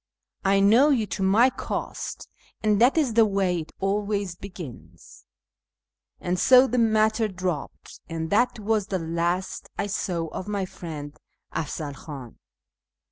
I know you to my cost, and that is the way it always begins." And so the matter dropped, and that was the last I saw of my friend Afzal Khtin.